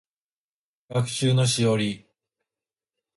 学習のしおり